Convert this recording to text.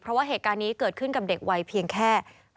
เพราะว่าเหตุการณ์นี้เกิดขึ้นกับเด็กวัยเพียงแค่